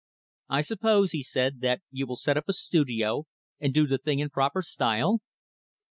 "I suppose," he said, "that you will set up a studio, and do the thing in proper style?"